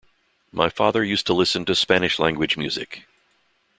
My father used to listen to Spanish-language music.